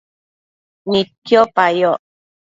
Nidquipa yoc